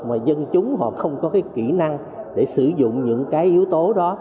mà dân chúng họ không có cái kỹ năng để sử dụng những cái yếu tố đó